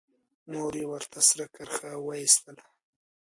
مور يې ورته سره کرښه وايستله.